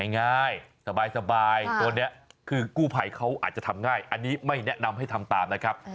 ง่ายสบายตัวนี้คือกู้ภัยเขาอาจจะทำง่ายอันนี้ไม่แนะนำให้ทำตามนะครับ